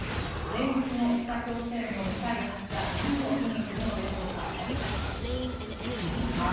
連日の北朝鮮のミサイル発射何を意味するのでしょうか。